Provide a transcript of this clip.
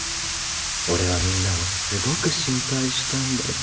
俺はみんなをすごく心配したんだぜ。